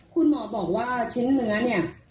คุณหมอบอกว่าชิ้นเนื้อเนี่ย